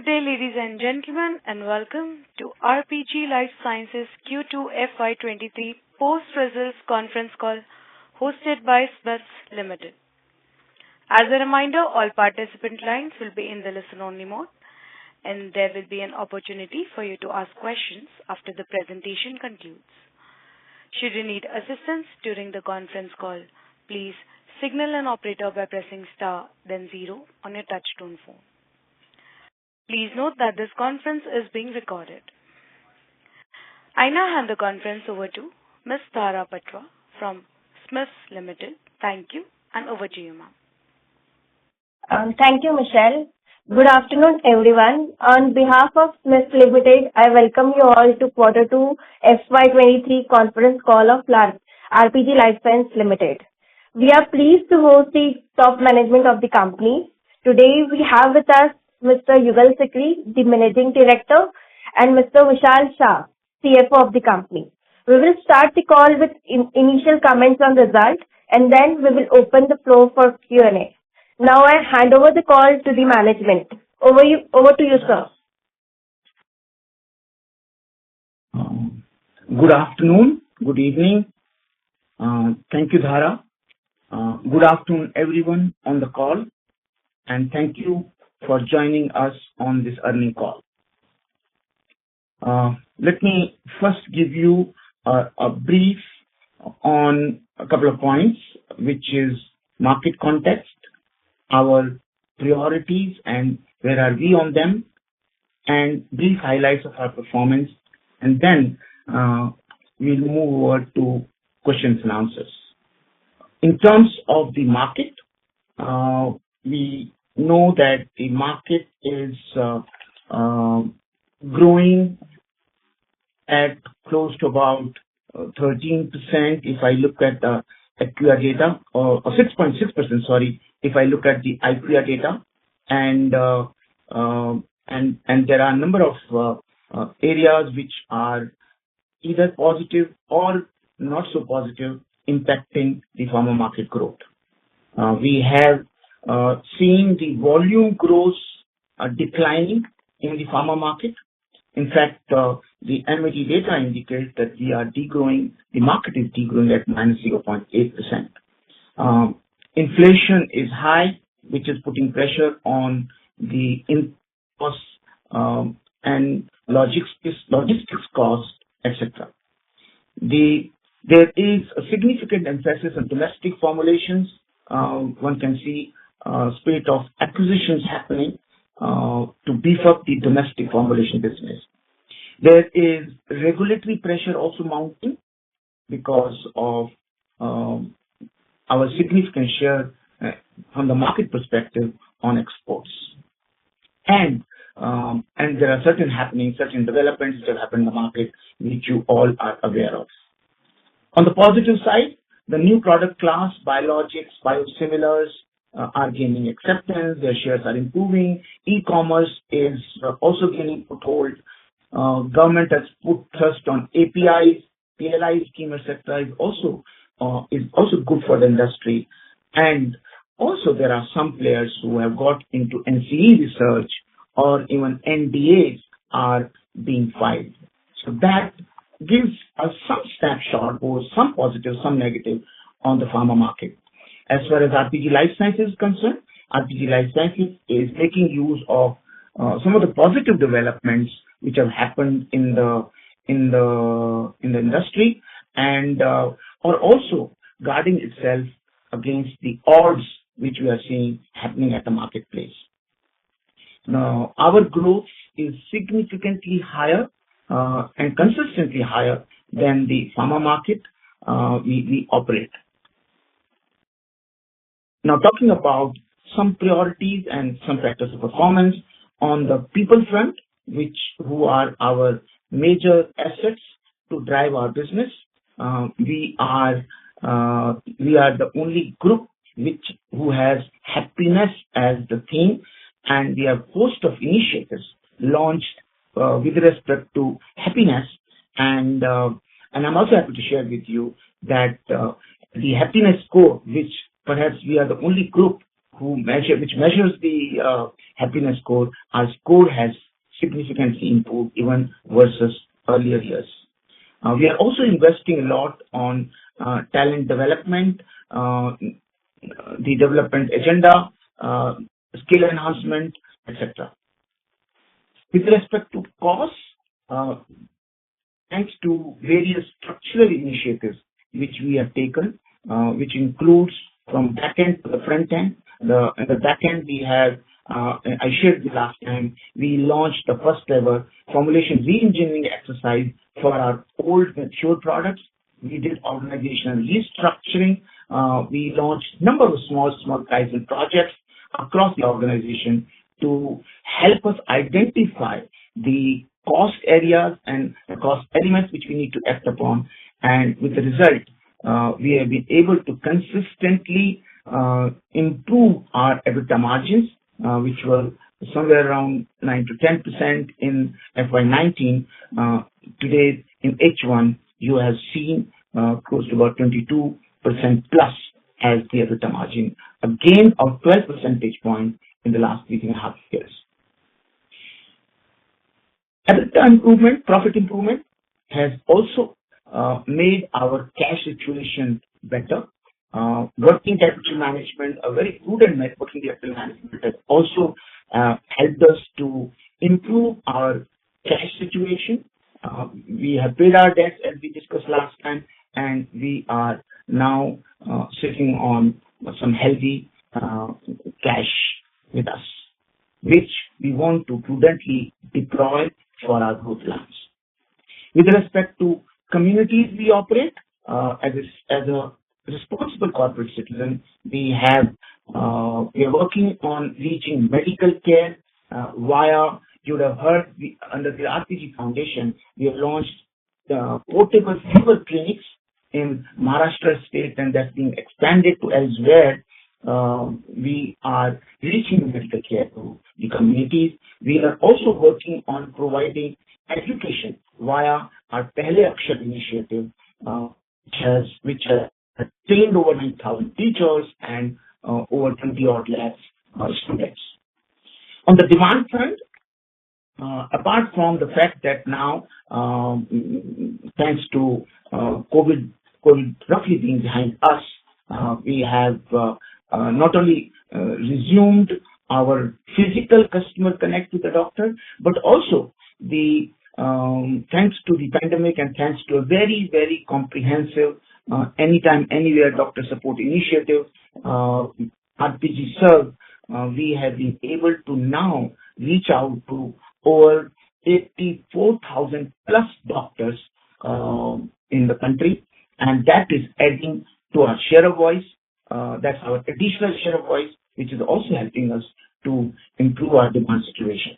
Good day, ladies and gentlemen, and welcome to RPG Life Sciences Q2 FY 2023 post results conference call hosted by Spark Limited. As a reminder, all participant lines will be in the listen only mode, and there will be an opportunity for you to ask questions after the presentation concludes. Should you need assistance during the conference call, please signal an operator by pressing star then zero on your touch tone phone. Please note that this conference is being recorded. I now hand the conference over to Ms. Tara Patwa from Spark Limited. Thank you, and over to you, Ma'am. Thank you, Michelle. Good afternoon, everyone. On behalf of Spark Limited, I welcome you all to quarter two FY 2023 conference call of RPG Life Sciences Limited. We are pleased to host the top management of the company. Today we have with us Mr. Yugal Sikri, the managing director, and Mr. Vishal Shah, CFO of the company. We will start the call with initial comments on results, and then we will open the floor for Q&A. Now I hand over the call to the management. Over to you, sir. Good afternoon, good evening. Thank you, Tara. Good afternoon, everyone on the call, and thank you for joining us on this earnings call. Let me first give you a brief on a couple of points, which is market context, our priorities and where are we on them, and brief highlights of our performance. Then we'll move over to questions and answers. In terms of the market, we know that the market is growing at close to about 13% if I look at the IQVIA data. Or 6.6%, sorry, if I look at the IQVIA data. There are a number of areas which are either positive or not so positive impacting the pharma market growth. We have seen the volume growth declining in the pharma market. In fact, the EMG data indicates that we are de-growing the market is de-growing at minus 0.8%. Inflation is high, which is putting pressure on the inputs and logistics cost, etc. There is a significant emphasis on domestic formulations. One can see a spate of acquisitions happening to beef up the domestic formulation business. There is regulatory pressure also mounting because of our significant share from the market perspective on exports. There are certain happenings, certain developments which have happened in the market which you all are aware of. On the positive side, the new product class biologics, biosimilars are gaining acceptance. Their shares are improving. E-commerce is also gaining foothold. Government has put trust on APIs. PLI scheme et cetera is also good for the industry. There are some players who have got into NCE research or even NDAs are being filed. That gives us some snapshot or some positive, some negative on the pharma market. As far as RPG Life Sciences is concerned, RPG Life Sciences is making use of some of the positive developments which have happened in the industry and are also guarding itself against the odds which we are seeing happening at the marketplace. Now, our growth is significantly higher and consistently higher than the pharma market we operate. Now talking about some priorities and some factors of performance. On the people front, who are our major assets to drive our business, we are the only group who has happiness as the theme, and we have a host of initiatives launched with respect to happiness. I'm also happy to share with you that the happiness score, which perhaps we are the only group who measure—which measures the happiness score, our score has significantly improved even versus earlier years. We are also investing a lot on talent development, the development agenda, skill enhancement, et cetera. With respect to costs, thanks to various structural initiatives which we have taken, which includes from backend to the front end. At the backend we have, I shared the last time, we launched the first ever formulation reengineering exercise for our old mature products. We did organizational restructuring. We launched number of small Kaizen projects across the organization to help us identify the cost areas and cost elements which we need to act upon. With the result, we have been able to consistently improve our EBITDA margins, which were somewhere around 9%-10% in FY 2019. Today in H1, you have seen close to about 22%+ as the EBITDA margin, a gain of 12 percentage points in the last 3.5 years. EBITDA improvement, profit improvement has also made our cash situation better. Working capital management, a very prudent working capital management has also helped us to improve our cash situation. We have paid our debt, as we discussed last time, and we are now sitting on some healthy cash with us, which we want to prudently deploy for our growth plans. With respect to communities we operate, as a responsible corporate citizen, we are working on reaching medical care via. You would have heard under the RPG Foundation, we have launched the portable fever clinics in Maharashtra State, and that's being expanded to elsewhere. We are reaching medical care to the communities. We are also working on providing education via our Pehle Akshar initiative, which has trained over 9,000 teachers and over 20-odd lakh students. On the demand front, apart from the fact that now, thanks to COVID roughly being behind us, we have not only resumed our physical customer connect with the doctor, but also, thanks to the pandemic and thanks to a very, very comprehensive anytime, anywhere doctor support initiative, RPG Serv, we have been able to now reach out to over 84,000-plus doctors in the country, and that is adding to our share of voice. That's our traditional share of voice, which is also helping us to improve our demand situation.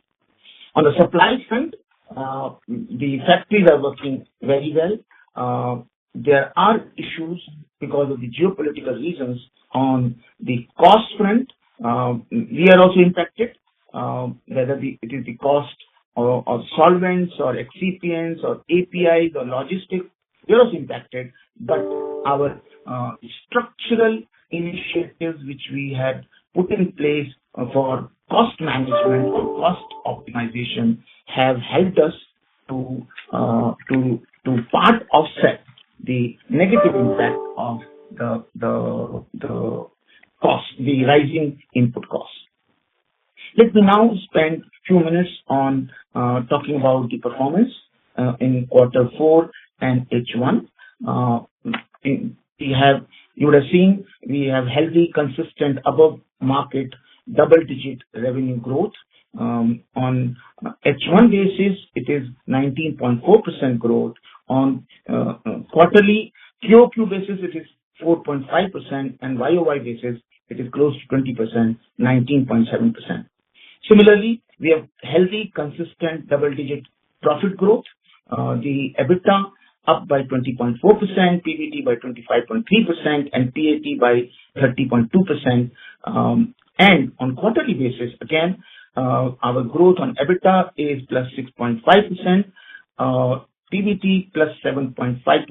On the supply front, the factories are working very well. There are issues because of the geopolitical reasons. On the cost front, we are also impacted. Whether the It is the cost of solvents or excipients or APIs or logistics, we are also impacted. Our structural initiatives which we had put in place for cost management or cost optimization have helped us to partially offset the negative impact of the rising input costs. Let me now spend a few minutes on talking about the performance in quarter four and H1. You would have seen we have healthy, consistent above market double-digit revenue growth. On H1 basis it is 19.4% growth. On quarterly QoQ basis it is 4.5% and YOY basis it is close to 20%, 19.7%. Similarly, we have healthy, consistent double-digit profit growth. The EBITDA up by 20.4%, PBT by 25.3% and PAT by 30.2%. On quarterly basis, again, our growth on EBITDA is +6.5%, PBT +7.5%, PAT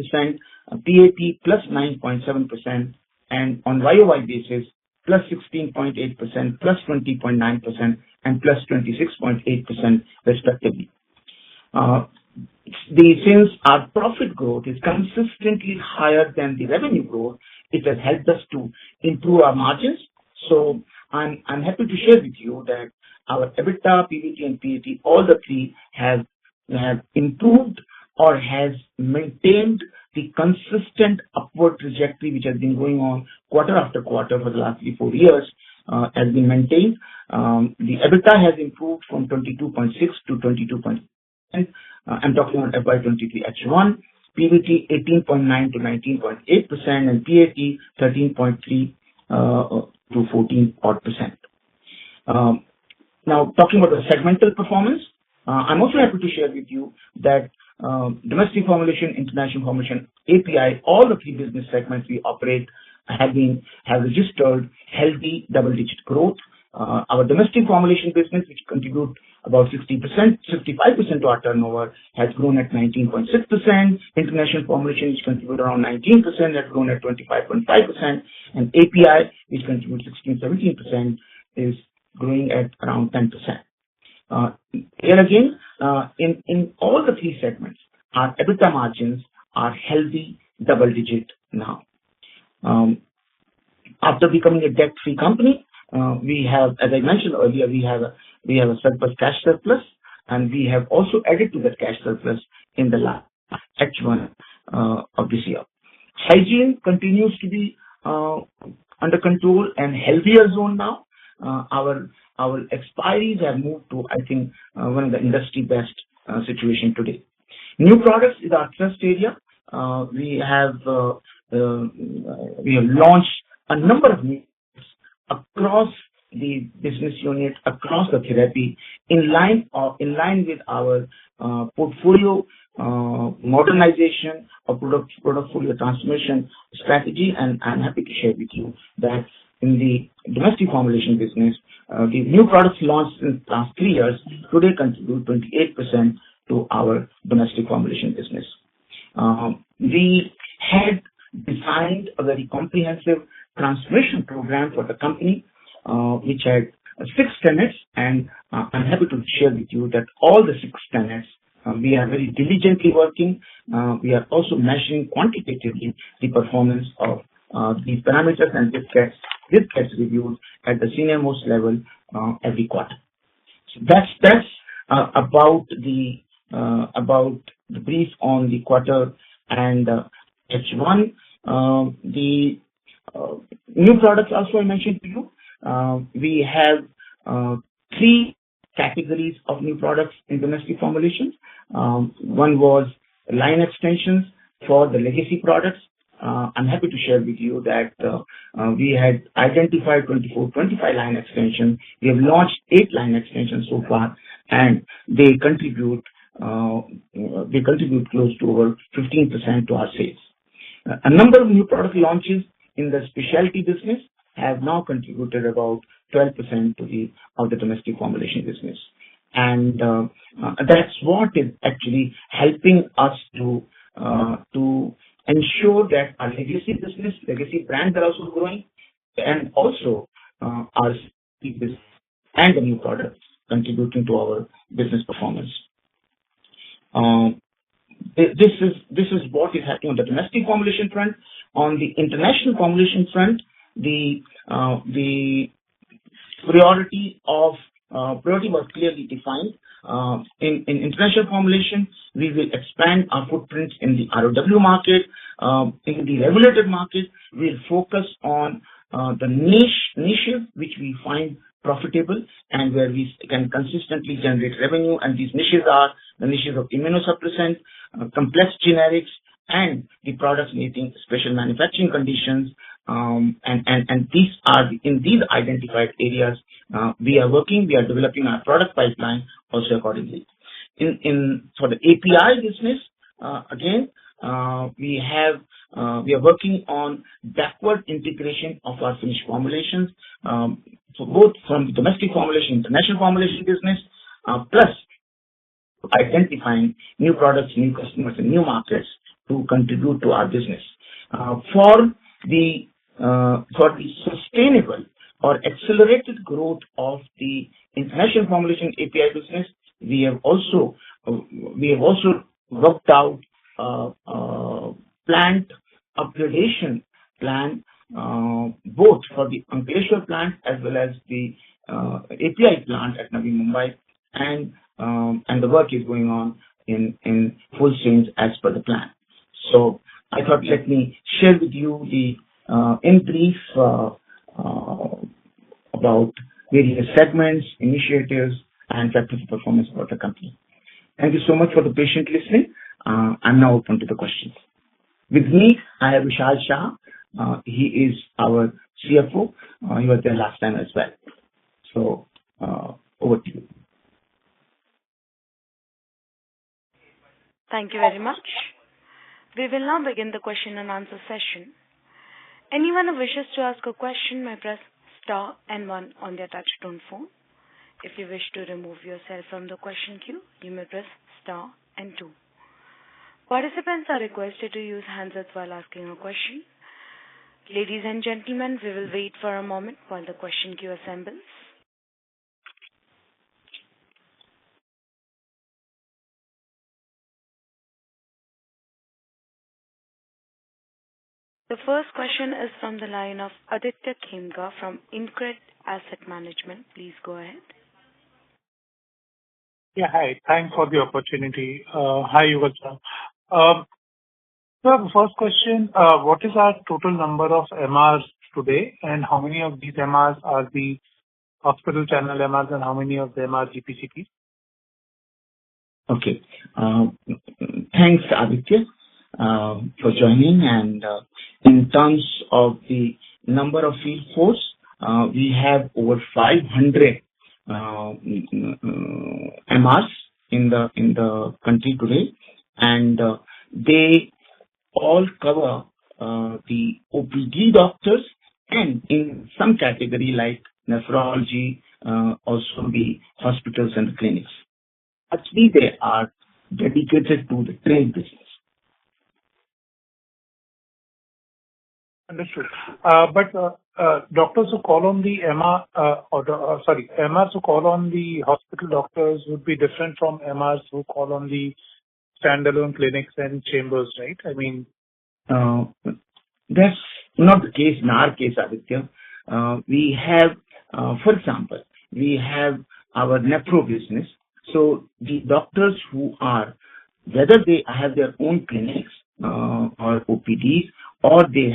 +9.7%. On YOY basis, +16.8%, +20.9% and +26.8% respectively. Since our profit growth is consistently higher than the revenue growth, it has helped us to improve our margins. I'm happy to share with you that our EBITDA, PBT and PAT, all the three have improved or has maintained the consistent upward trajectory which has been going on quarter after quarter for the last three, four years, has been maintained. The EBITDA has improved from 22.6% to 22.8%. I'm talking about FY 2023 H1. PBT 18.9% to 19.8% and PAT 13.3% to 14-odd%. Now talking about the segmental performance, I'm also happy to share with you that domestic formulation, international formulation, API, all the three business segments we operate have registered healthy double-digit growth. Our domestic formulation business, which contributes about 60%-65% to our turnover, has grown at 19.6%. International formulation, which contributes around 19%, has grown at 25.5%. API, which contributes 16%-17%, is growing at around 10%. Here again, in all the three segments, our EBITDA margins are healthy double-digit now. After becoming a debt-free company, we have, as I mentioned earlier, a cash surplus. We have also added to that cash surplus in the last H1 of this year. Hygiene continues to be under control and in a healthier zone now. Our expiries have moved to, I think, one of the industry's best situations today. New products is our thrust area. We have launched a number of new products across the business units, across the therapy lines, in line with our portfolio modernization or product portfolio transformation strategy. I'm happy to share with you that in the domestic formulation business, the new products launched in the past three years today contribute 28% to our domestic formulation business. We had designed a very comprehensive transformation program for the company, which had six tenets. I'm happy to share with you that all the six tenets, we are very diligently working. We are also measuring quantitatively the performance of the parameters and risk as reviewed at the senior-most level, every quarter. That's about the brief on the quarter and H1. The new products also I mentioned to you. We have three categories of new products in domestic formulations. One was line extensions for the legacy products. I'm happy to share with you that we had identified 25 line extension. We have launched 8 line extensions so far, and they contribute close to over 15% to our sales. A number of new product launches in the specialty business have now contributed about 12% to the domestic formulation business. That's what is actually helping us to ensure that our legacy business, legacy brands are also growing and also our business and the new products contributing to our business performance. This is what is happening on the domestic formulation front. On the international formulation front, the priority was clearly defined. In international formulations, we will expand our footprint in the ROW market. In the regulated market, we'll focus on the niches which we find profitable and where we can consistently generate revenue. These niches are the niches of immunosuppressants, complex generics, and the products needing special manufacturing conditions. In these identified areas, we are working, we are developing our product pipeline also accordingly. For the API business, again, we are working on backward integration of our finished formulations, so both from domestic formulation, international formulation business, plus identifying new products, new customers and new markets to contribute to our business. For the sustainable or accelerated growth of the international formulation API business, we have also worked out plant upgradation plan both for the formulation plant as well as the API plant at Navi Mumbai. The work is going on in full swing as per the plan. I thought, let me share with you in brief about various segments, initiatives and financial performance of the company. Thank you so much for the patient listening. I'm now open to the questions. With me, I have Vishal Shah. He is our CFO. He was there last time as well. Over to you. Thank you very much. We will now begin the question and answer session. Anyone who wishes to ask a question may press star and one on their touchtone phone. If you wish to remove yourself from the question queue, you may press star and two. Participants are requested to use handsets while asking a question. Ladies and gentlemen, we will wait for a moment while the question queue assembles. The first question is from the line of Aditya Khemka from InCred Asset Management. Please go ahead. Hi. Thanks for the opportunity. Hi, Yugal. The first question, what is our total number of MRs today, and how many of these MRs are the hospital channel MRs and how many of them are GP/CP's? Okay. Thanks, Aditya, for joining. In terms of the number of field force, we have over 500 MRs in the country today. They all cover the OPD doctors and in some category like nephrology, also the hospitals and clinics. Actually, they are dedicated to the trade business. Understood. Doctors who call on the MR, sorry, MRs who call on the hospital doctors would be different from MRs who call on the standalone clinics and chambers, right? I mean- That's not the case in our case, Aditya. We have, for example, we have our nephro business. The doctors who are, whether they have their own clinics or OPDs or they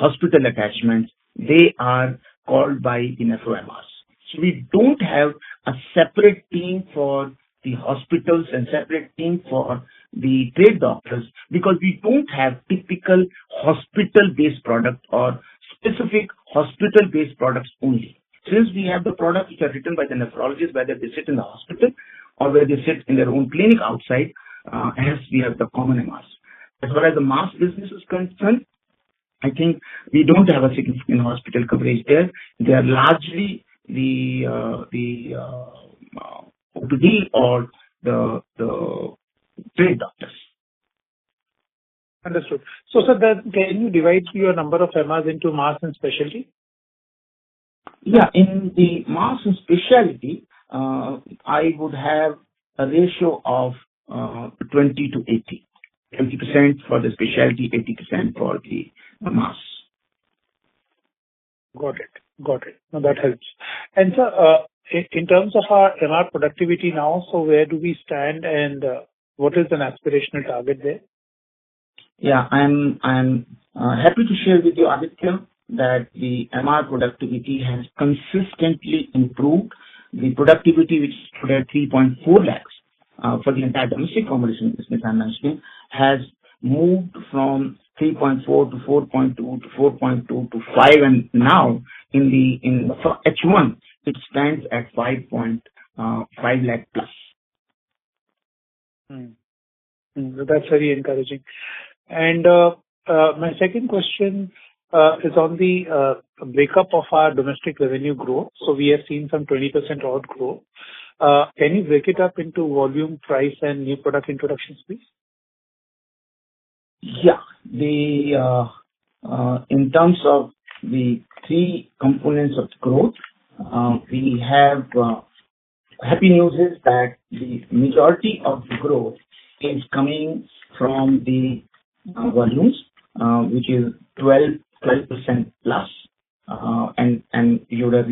have hospital attachments, they are called by the nephro MRs. We don't have a separate team for the hospitals and separate team for the trade doctors because we don't have typical hospital-based product or specific hospital-based products only. Since we have the product which are written by the nephrologists, whether they sit in the hospital or whether they sit in their own clinic outside, hence we have the common MRs. As far as the mass business is concerned, I think we don't have a significant hospital coverage there. They are largely the OB or the trade doctors. Understood. Sir, can you divide your number of MRs into mass and specialty? Yeah. In the mass and specialty, I would have a ratio of 20-80. 20% for the specialty, 80% for the mass. Got it. Now that helps. Sir, in terms of our MR productivity now, so where do we stand and what is an aspirational target there? Yeah. I'm happy to share with you, Aditya, that the MR productivity has consistently improved. The productivity which was at 3.4 lakh for the entire domestic combination business I'm managing, has moved from 3.4 lakh to 4.2 lakh to 5 lakh, and now for H1 it stands at 5.5 lakh+. Mm-hmm. Mm-hmm. That's very encouraging. My second question is on the breakup of our domestic revenue growth. We have seen some 20% odd growth. Can you break it up into volume, price and new product introductions, please? Yeah. In terms of the three components of the growth, we have happy news is that the majority of the growth is coming from the volumes, which is 12% plus. You have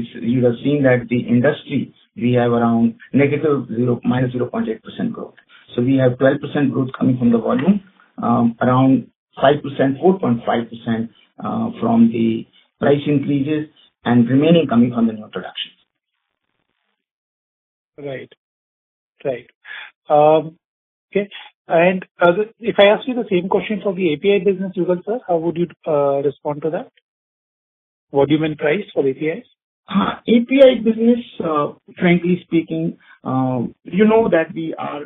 seen that the industry, we have around -0.8% growth. We have 12% growth coming from the volume, around 5%, 4.5% from the price increases, and remaining coming from the new products. Right. Okay. If I ask you the same question for the API business, Yugal sir, how would you respond to that? Volume and price for APIs. API business, frankly speaking, you know that we are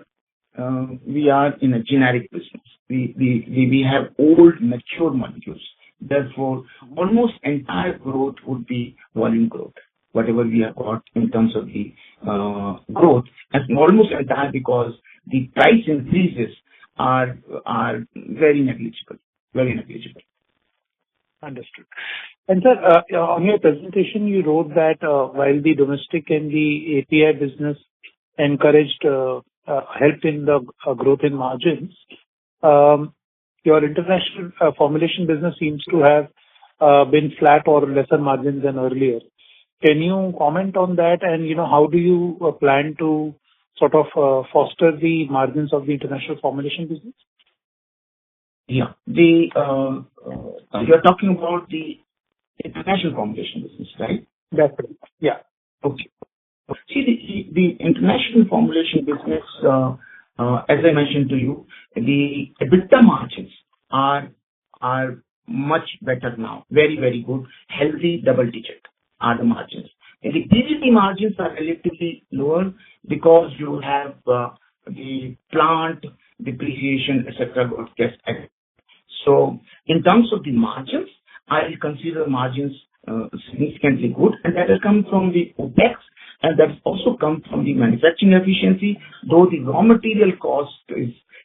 in a generic business. We have old mature molecules, therefore almost entire growth would be volume growth. Whatever we have got in terms of the growth is almost entire because the price increases are very negligible. Very negligible. Understood. Sir, on your presentation you wrote that, while the domestic and the API business helped in the growth in margins, your international formulation business seems to have been flat or lower margins than earlier. Can you comment on that and, you know, how do you plan to sort of foster the margins of the international formulation business? Yeah. You're talking about the international formulation business, right? That's right. Yeah. Okay. See, the international formulation business, as I mentioned to you, the EBITDA margins are much better now. Very good. Healthy double-digit are the margins. Usually the margins are relatively lower because you have the plant depreciation, et cetera, got to get added. In terms of the margins, I consider margins significantly good, and that'll come from the OpEx, and that'll also come from the manufacturing efficiency, though the raw material cost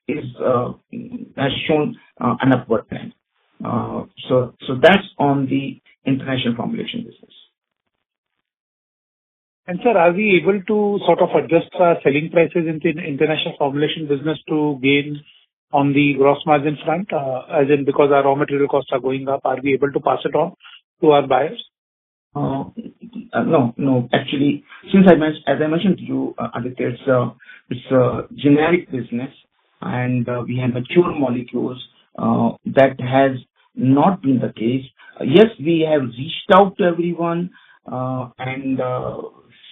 has shown an upward trend. That's on the international formulation business. Sir, are we able to sort of adjust our selling prices in the international formulation business to gain on the gross margin front? As in because our raw material costs are going up, are we able to pass it on to our buyers? Actually, since I mentioned to you, Aditya, it's a generic business and we have mature molecules that has not been the case. Yes, we have reached out to everyone and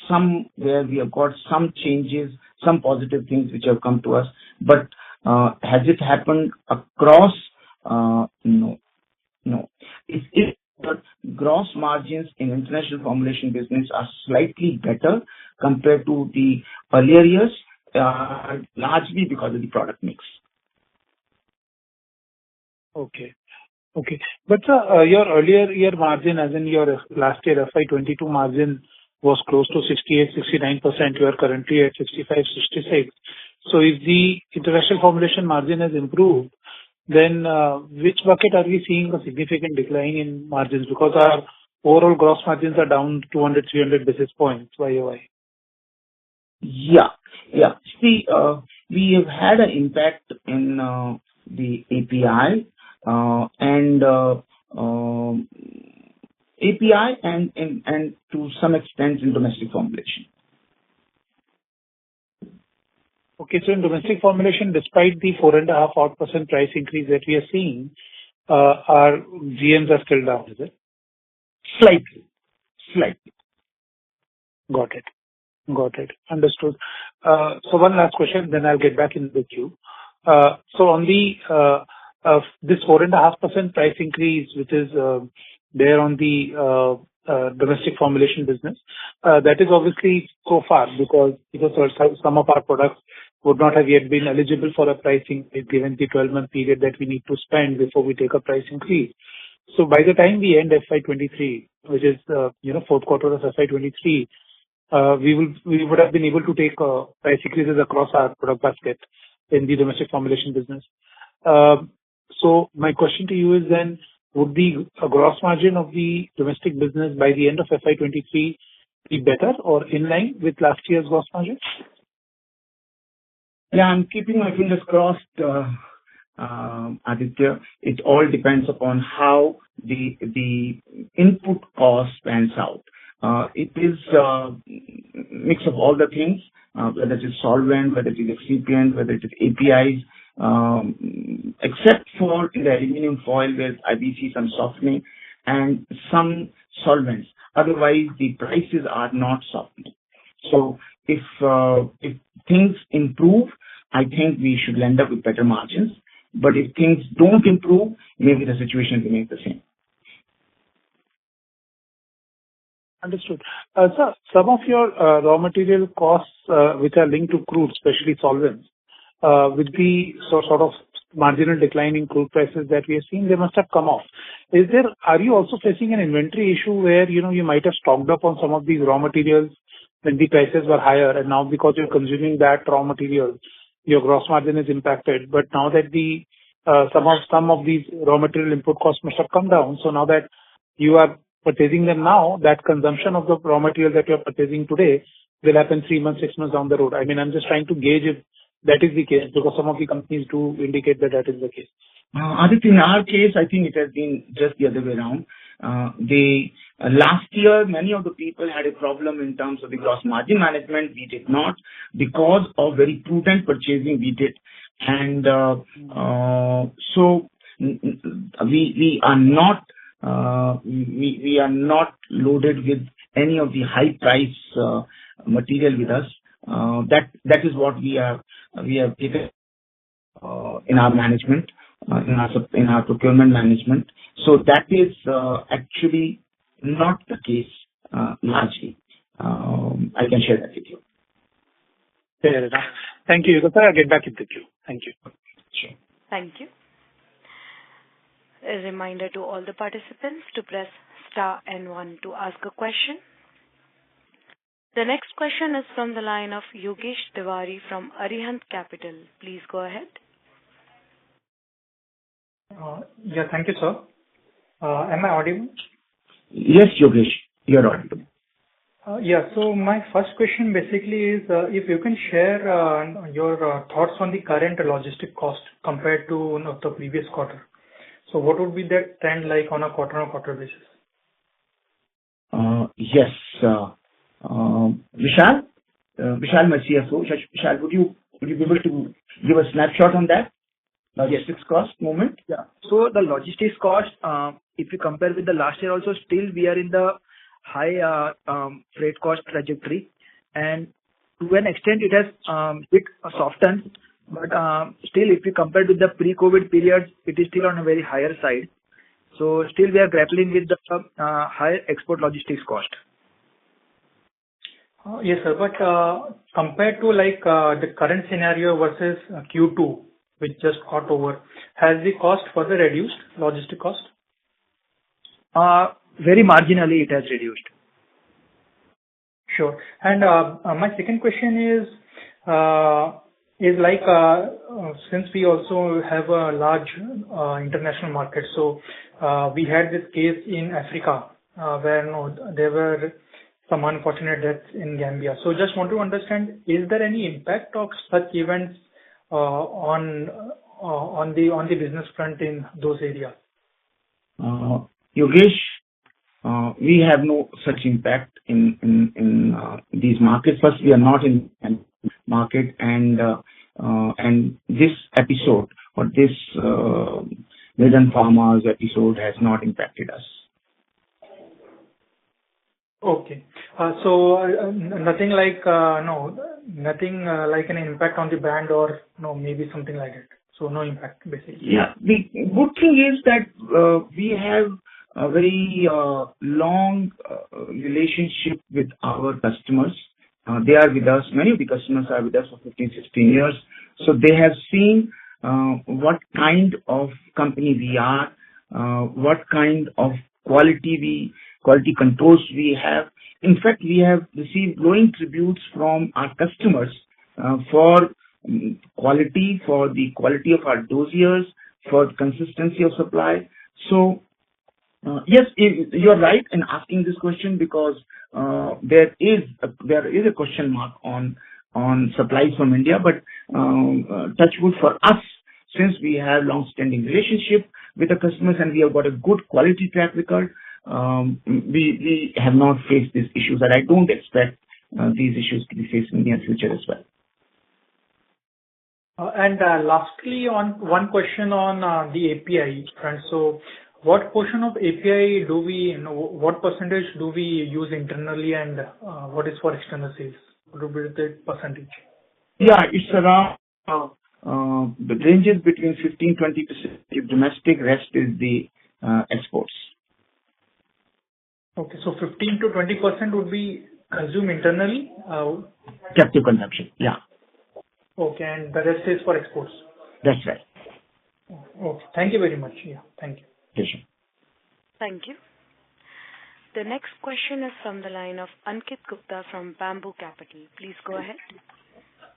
somewhere we have got some changes, some positive things which have come to us. Has it happened across? No. No. If the gross margins in international formulation business are slightly better compared to the earlier years, largely because of the product mix. Okay. Sir, your earlier year margin, as in your last year FY 2022 margin was close to 68%-69%. You are currently at 65%-66%. If the international formulation margin has improved, which bucket are we seeing a significant decline in margins? Our overall gross margins are down 200-300 basis points YOY. Yeah. See, we have had an impact in the API, and to some extent in domestic formulation. Okay. In domestic formulation, despite the 4.5%-5% price increase that we are seeing, our GMs are still down. Is it? Slightly. Got it. Understood. One last question, then I'll get back in the queue. On the this 4.5% price increase, which is there on the domestic formulation business, that is obviously so far because some of our products would not have yet been eligible for a pricing, given the 12-month period that we need to spend before we take a price increase. By the time we end FY 2023, which is, you know, fourth quarter of FY 2023, we would have been able to take price increases across our product basket in the domestic formulation business. My question to you is, would the gross margin of the domestic business by the end of FY 2023 be better or in line with last year's gross margin? Yeah, I'm keeping my fingers crossed, Aditya. It all depends upon how the input cost pans out. It is a mix of all the things, whether it is solvent, whether it is excipient, whether it is APIs. Except for the aluminum foil, where I do see some softening, and some solvents. Otherwise, the prices are not softening. If things improve, I think we should end up with better margins. If things don't improve, maybe the situation remains the same. Understood. Sir, some of your raw material costs, which are linked to crude, especially solvents, with the sort of marginal decline in crude prices that we are seeing, they must have come off. Are you also facing an inventory issue where, you know, you might have stocked up on some of these raw materials when the prices were higher, and now because you're consuming that raw material, your gross margin is impacted. Now that some of these raw material input costs must have come down, now that you are purchasing them now, that consumption of the raw material that you're purchasing today will happen three months, six months down the road. I mean, I'm just trying to gauge if that is the case, because some of the companies do indicate that that is the case. Aditya, in our case, I think it has been just the other way around. Last year, many of the people had a problem in terms of the gross margin management. We did not. Because of very prudent purchasing, we did. We are not loaded with any of the high price material with us. That is what we have taken in our management, in our procurement management. That is actually not the case, largely I can share that with you. Fair enough. Thank you, Yugal Sikri. I'll get back into the queue. Thank you. Sure. Thank you. A reminder to all the participants to press star and one to ask a question. The next question is from the line of Yogesh Tiwari from Arihant Capital. Please go ahead. Yeah, thank you, sir. Am I audible? Yes, Yogesh, you are audible. My first question basically is, if you can share your thoughts on the current logistics cost compared to, you know, the previous quarter. What would be that trend like on a quarter-on-quarter basis? Yes. Vishal? Vishal, my CFO. Vishal, would you be able to give a snapshot on that logistics cost momentum? Yeah. The logistics cost, if you compare with the last year also, still we are in the high freight cost trajectory. To an extent it has a bit softened, but still if you compare with the pre-COVID period, it is still on a very higher side. Still we are grappling with the high export logistics cost. Yes, sir. Compared to like, the current scenario versus Q2, which just got over, has the logistics cost further reduced? Very marginally it has reduced. Sure. My second question is like since we also have a large international market, we had this case in Africa, where now there were some unfortunate deaths in Gambia. Just want to understand, is there any impact of such events on the business front in those areas? Yogesh, we have no such impact in these markets. First, we are not in that market and this episode or this Maiden Pharmaceuticals's episode has not impacted us. Okay. Nothing like an impact on the brand or, you know, maybe something like that. No impact basically. Yeah. The good thing is that we have a very long relationship with our customers. They are with us, many of the customers are with us for 15, 16 years, so they have seen what kind of company we are, what kind of quality controls we have. In fact, we have received glowing tributes from our customers for quality, for the quality of our dosages, for consistency of supply. Yes, you're right in asking this question because there is a question mark on supply from India. Touch wood for us, since we have longstanding relationship with the customers and we have got a good quality track record, we have not faced these issues, and I don't expect these issues to be faced in near future as well. Lastly, on one question on the API front. What portion of API do we, you know, what percentage do we use internally and what is for external sales, roughly the percentage? Yeah, it's around. It ranges between 15%-20% is domestic, rest is the exports. Okay. 15%-20% would be consumed internally? Capital consumption, yeah. Okay. The rest is for exports. That's right. Oh, thank you very much. Yeah. Thank you. Sure, sure. Thank you. The next question is from the line of Ankit Gupta from Bamboo Capital. Please go ahead.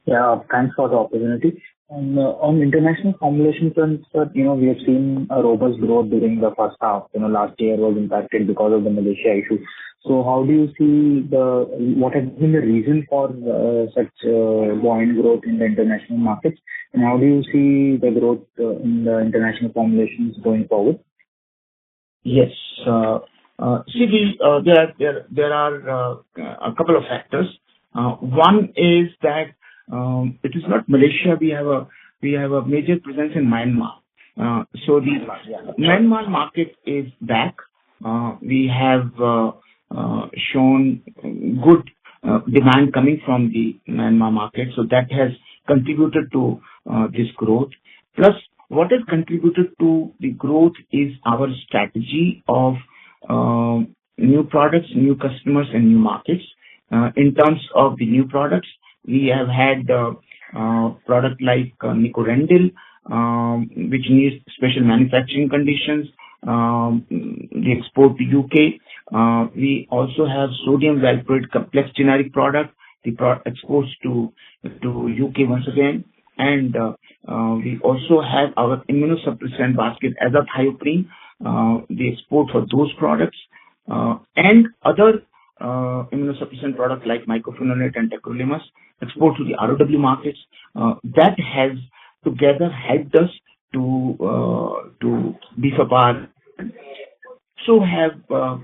Yeah. Thanks for the opportunity. On international formulation front, sir, you know, we have seen a robust growth during the first half. You know, last year was impacted because of the Malaysia issue. What has been the reason for such volume growth in the international markets, and how do you see the growth in the international formulations going forward? Yes. There are a couple of factors. One is that it is not Malaysia. We have a major presence in Myanmar. So these- Myanmar. Yeah. Myanmar market is back. We have shown good demand coming from the Myanmar market, so that has contributed to this growth. Plus, what has contributed to the growth is our strategy of new products, new customers, and new markets. In terms of the new products, we have had product like Nicorandil, which needs special manufacturing conditions, we export to UK. We also have Sodium valproate complex generic product. The product exports to UK once again. We also have our immunosuppressant basket, Azathioprine, the export for those products. Other immunosuppressant products like Mycophenolate and Tacrolimus export to the ROW markets. That has together helped us to be so far. Also have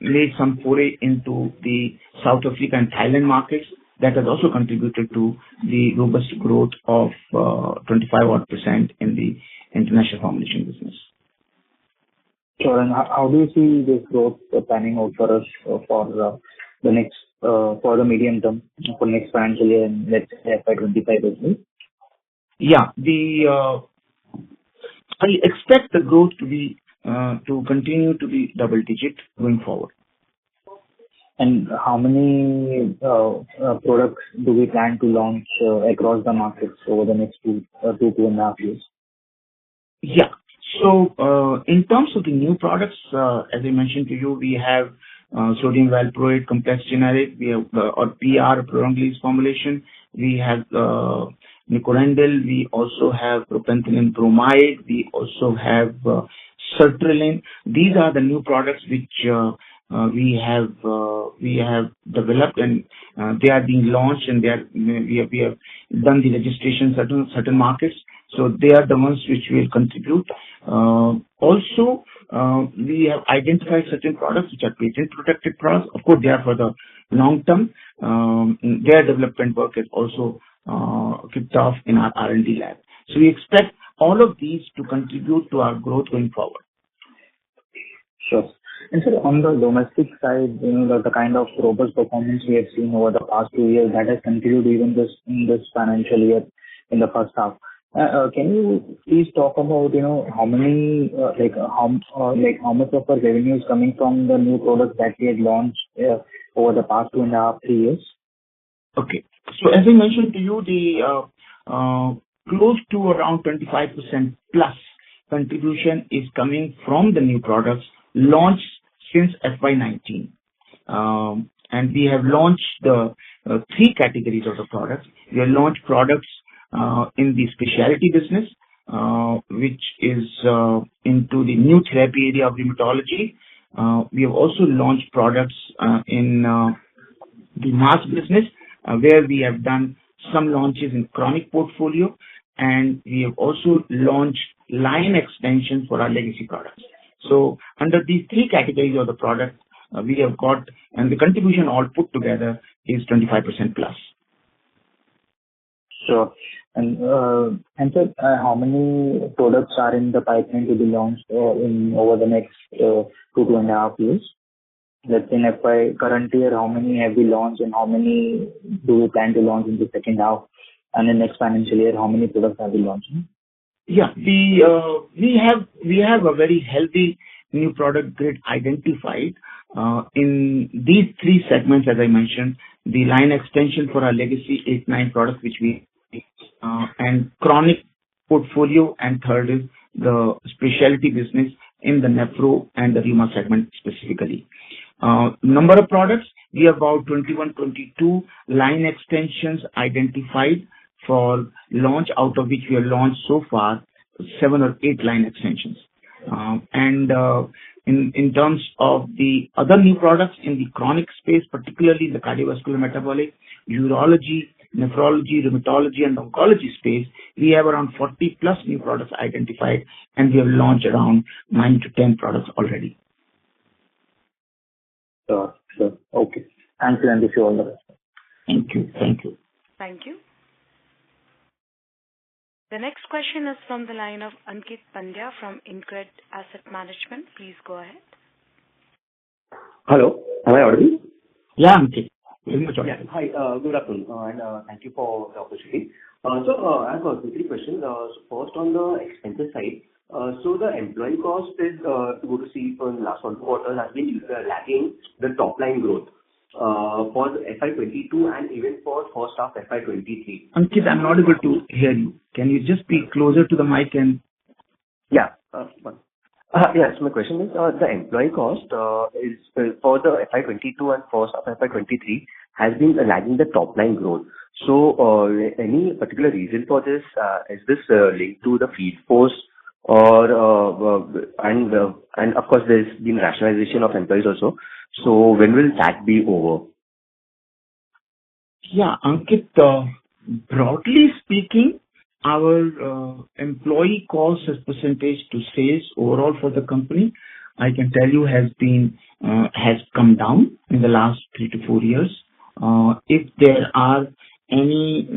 made some foray into the South Africa and Thailand markets. That has also contributed to the robust growth of 25% odd in the international formulation business. Sure. How do you see this growth panning out for us for the medium term, for next financial year and let's say FY25 as well? I expect the growth to continue to be double digit going forward. How many products do we plan to launch across the markets over the next 2 to 1.5 years? Yeah. In terms of the new products, as I mentioned to you, we have Sodium valproate complex generic. We have our PR prolonged release formulation. We have Nicorandil. We also have propantheline bromide. We also have Sertraline. These are the new products which we have developed and they are being launched and we have done the registration certain markets. They are the ones which will contribute. We have identified certain products which are patent protected products. Of course they are for the long term. Their development work is also kicked off in our R&D lab. We expect all of these to contribute to our growth going forward. Sure. Sir, on the domestic side, you know, the kind of robust performance we have seen over the past two years that has continued even this, in this financial year in the first half. Can you please talk about, you know, how much of the revenue is coming from the new products that we have launched over the past two-and-a-half, three years? Okay. As I mentioned to you, close to around 25%+ contribution is coming from the new products launched since FY 2019. We have launched three categories of the products. We have launched products in the specialty business, which is into the new therapy area of rheumatology. We have also launched products in the mass business, where we have done some launches in chronic portfolio, and we have also launched line extension for our legacy products. Under these three categories of the products, we have got. The contribution all put together is 25%+. Sure. Sir, how many products are in the pipeline to be launched in over the next 2.5 years? Let's say in FY current year, how many have we launched and how many do we plan to launch in the second half? In next financial year, how many products are we launching? Yeah. We have a very healthy new product grid identified in these three segments as I mentioned. The line extension for our legacy 89 products and chronic portfolio, and third is the specialty business in the nephro and the rheuma segment specifically. Number of products, we have about 21-22 line extensions identified for launch, out of which we have launched so far seven or eight line extensions. In terms of the other new products in the chronic space, particularly the cardiovascular metabolic, urology, nephrology, rheumatology and oncology space, we have around 40-plus new products identified, and we have launched around 9-10 products already. Sure, sure. Okay. Thank you and wish you all the best. Thank you. Thank you. Thank you. The next question is from the line of Ankeet Pandya from InCred Asset Management. Please go ahead. Hello. Am I audible? Yeah, Ankit. You can go ahead. Yeah. Hi. Good afternoon, and thank you for the opportunity. I've got three questions. First on the expenses side. The employee cost is good to see from last 1 quarter has been lagging the top line growth for the FY 2022 and even for first half FY 2023. Ankit, I'm not able to hear you. Can you just speak closer to the mic. My question is, the employee cost is for the FY 2022 and first half FY 2023 has been lagging the top-line growth. Any particular reason for this? Is this linked to the workforce or, and of course there's been rationalization of employees also. When will that be over? Yeah, Ankeet, broadly speaking, our employee cost as percentage to sales overall for the company, I can tell you, has come down in the last three to four years. If there are any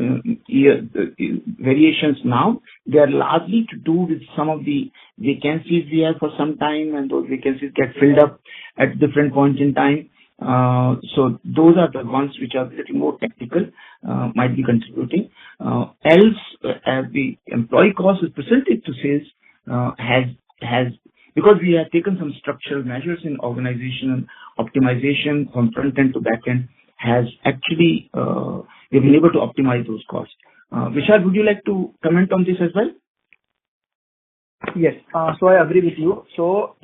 variations now, they are largely to do with some of the vacancies we had for some time, and those vacancies get filled up at different points in time. Those are the ones which are a little more technical, might be contributing. Else, the employee cost as percentage to sales has, because we have taken some structural measures in organizational optimization from front end to back end has actually, we've been able to optimize those costs. Vishal, would you like to comment on this as well? Yes. I agree with you.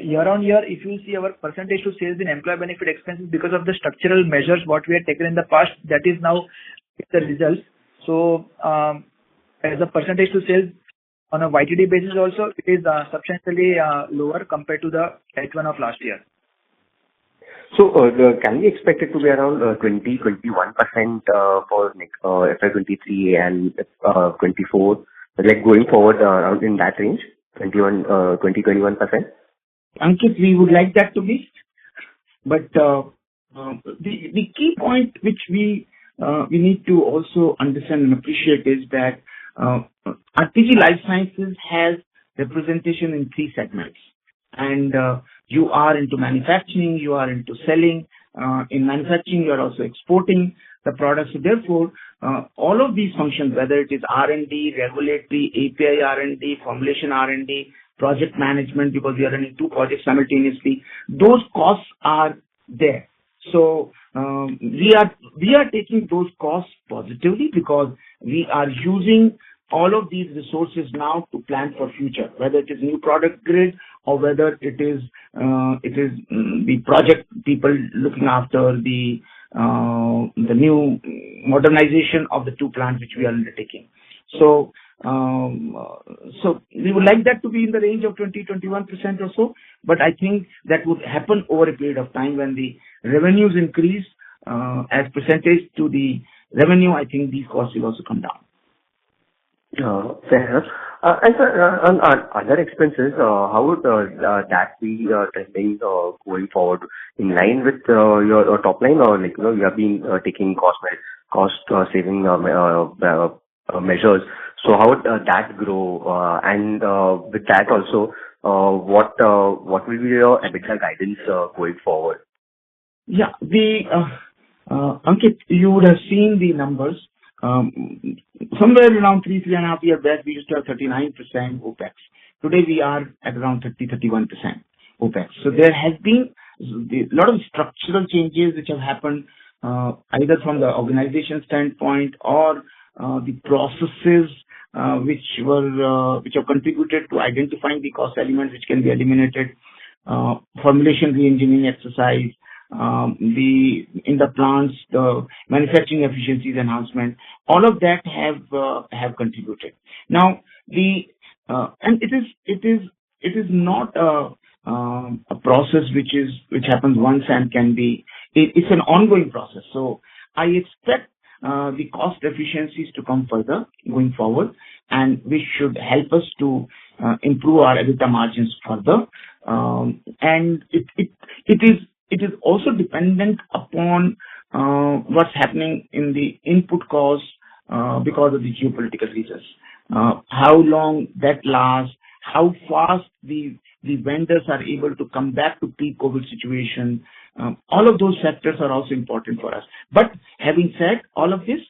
Year-over-year, if you see our percentage to sales in employee benefit expenses because of the structural measures what we have taken in the past, that is now the results. As a percentage to sales on a YTD basis also it is substantially lower compared to the same time of last year. Can we expect it to be around 20%-21% for next FY 2023 and 2024, like going forward, around in that range, 20%-21%? Ankit, we would like that to be. The key point which we need to also understand and appreciate is that, RPG Life Sciences has representation in three segments. You are into manufacturing, you are into selling. In manufacturing, you are also exporting the products. All of these functions, whether it is R&D, regulatory, API R&D, formulation R&D, project management, because we are running two projects simultaneously, those costs are there. We are taking those costs positively because we are using all of these resources now to plan for future, whether it is new product grid or whether it is, the project people looking after the new modernization of the two plants which we are undertaking. We would like that to be in the range of 20%-21% or so, but I think that would happen over a period of time when the revenues increase. As a percentage of the revenue, I think these costs will also come down. Fair. On other expenses, how would that be trending going forward in line with your top line or like, you know, you have been taking cost-saving measures. How would that grow? With that also, what will be your EBITDA guidance going forward? Yeah. Ankit, you would have seen the numbers somewhere around 3.5 years back, we used to have 39% OpEx. Today, we are at around 30-31% OpEx. There has been a lot of structural changes which have happened either from the organization standpoint or the processes which have contributed to identifying the cost elements which can be eliminated. Formulation reengineering exercise in the plants, the manufacturing efficiencies enhancement, all of that have contributed. Now, it is not a process which happens once. It is an ongoing process. I expect the cost efficiencies to come further going forward, which should help us to improve our EBITDA margins further. It is also dependent upon what's happening in the input costs because of the geopolitical reasons. How long that lasts, how fast the vendors are able to come back to pre-COVID situation. All of those factors are also important for us. Having said all of this,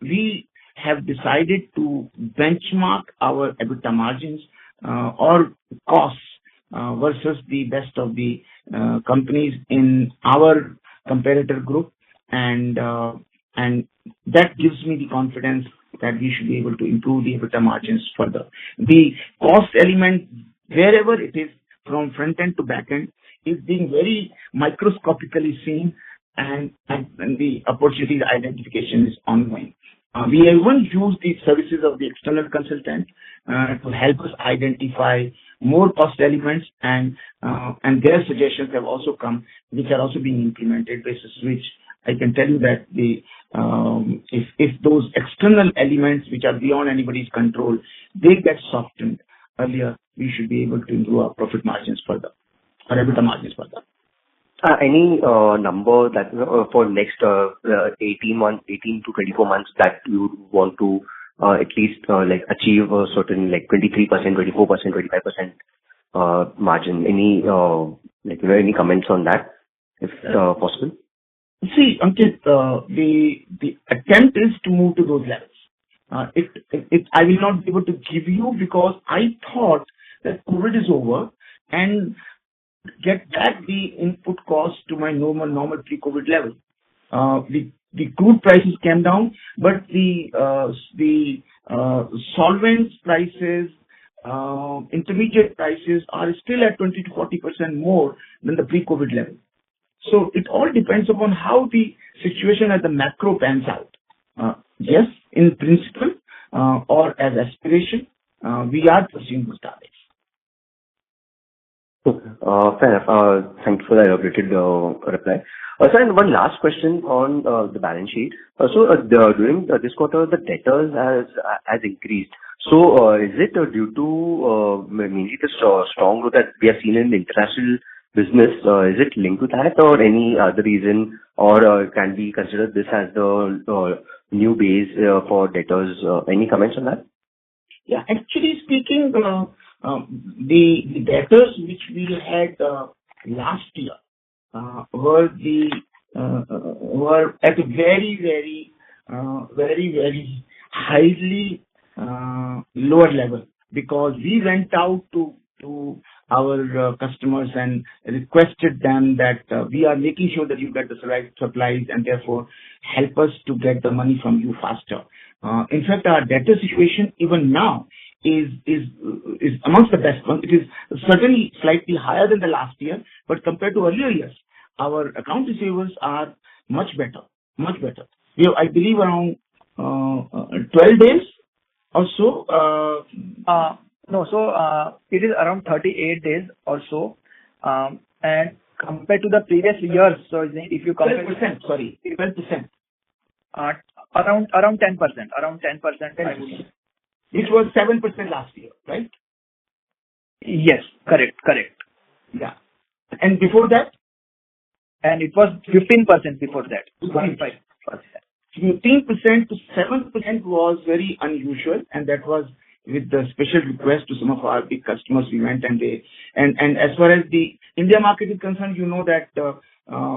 we have decided to benchmark our EBITDA margins or costs versus the best of the companies in our competitor group and that gives me the confidence that we should be able to improve the EBITDA margins further. The cost element, wherever it is from front end to back end, is being very microscopically seen and the opportunity identification is ongoing. We even use the services of the external consultant to help us identify more cost elements and their suggestions have also come, which are also being implemented. Basis which I can tell you that the if those external elements which are beyond anybody's control, they get softened earlier, we should be able to improve our profit margins further, our EBITDA margins further. Any number that for next 18-24 months that you want to at least like achieve a certain like 23%, 24%, 25% margin? Any like any comments on that, if possible? See, Ankit, the attempt is to move to those levels. I will not be able to give you because I thought that COVID is over and get back the input cost to my normal pre-COVID level. The crude prices came down, but the solvents prices, intermediate prices are still at 20%-40% more than the pre-COVID level. It all depends upon how the situation at the macro pans out. Yes, in principle, or as aspiration, we are pursuing those targets. Cool. Fair enough. Thanks for the elaborate reply. Sir, and one last question on the balance sheet. During this quarter, the debtors has increased. Is it due to maybe the strong growth that we have seen in the international business? Is it linked to that or any other reason, or can we consider this as the new base for debtors? Any comments on that? Actually speaking, the debtors which we had last year were at a very low level because we went out to our customers and requested them that we are making sure that you get the right supplies and therefore help us to get the money from you faster. In fact, our debtor situation even now is amongst the best one. It is certainly slightly higher than the last year, but compared to earlier years, our accounts receivable are much better. Much better. We have, I believe, around 12 days or so. No. It is around 38 days or so. Compared to the previous years, so if you compare. 12%, sorry. 12%. Around 10%. 10%. It was 7% last year, right? Yes. Correct. Correct. Yeah. Before that? It was 15% before that. Right. 5%. 15% to 7% was very unusual, and that was with the special request to some of our big customers. As far as the India market is concerned, you know that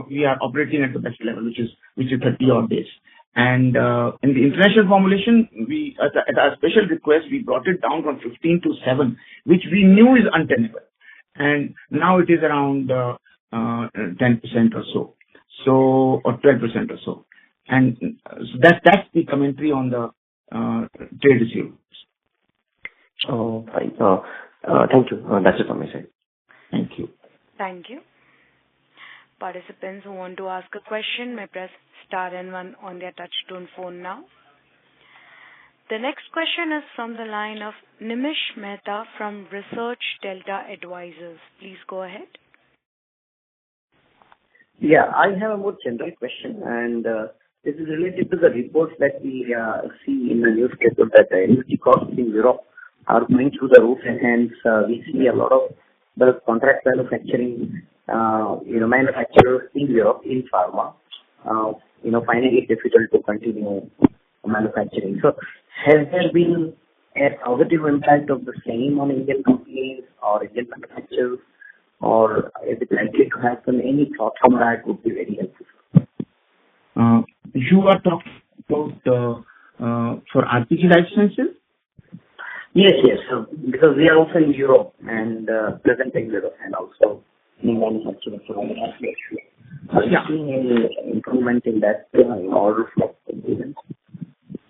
we are operating at the best level, which is 30-odd days. In the international formulation, at a special request, we brought it down from 15-7, which we knew is untenable. Now it is around 10% or so or 12% or so. That's the commentary on the trade receivables. Oh, right. Thank you. That's it from my side. Thank you. Thank you. Participants who want to ask a question may press star and one on their touchtone phone now. The next question is from the line of Nimish Mehta from Research Delta Advisors. Please go ahead. Yeah. I have a more general question, and this is related to the reports that we see in the news, the case is that energy costs in Europe are going through the roof, and hence, we see a lot of the contract manufacturers in Europe, in pharma, you know, finding it difficult to continue manufacturing. Has there been a positive impact of the same on Indian companies or Indian manufacturers, or is it likely to happen? Any thought from that would be very helpful. You are talking about for RPG Life Sciences? Yes, yes. Because we are also in Europe and present in Europe and also new manufacturing. Yeah. Are you seeing any improvement in that or?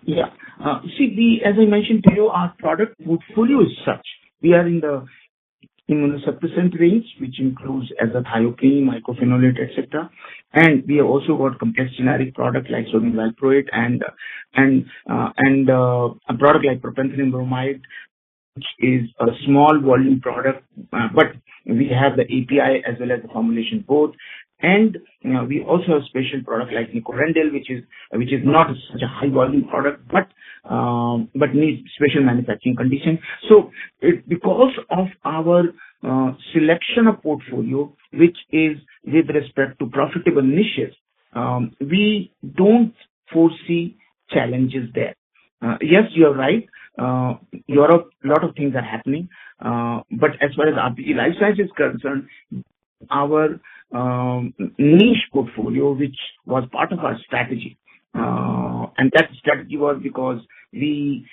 Yeah. See, as I mentioned to you, our product portfolio is such. We are in the immunosuppressant range, which includes Azathioprine, Mycophenolate, et cetera. We have also got complex generic product like sodium valproate and a product like propantheline bromide, which is a small volume product, but we have the API as well as the formulation both. You know, we also have special product like Nicorandil, which is not such a high volume product, but needs special manufacturing condition. Because of our selection of portfolio, which is with respect to profitable niches, we don't foresee challenges there. Yes, you are right. Europe, a lot of things are happening. As far as RPG Life Sciences is concerned, our niche portfolio, which was part of our strategy, and that strategy was because we